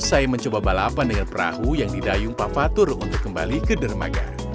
saya mencoba balapan dengan perahu yang didayung pak fatur untuk kembali ke dermaga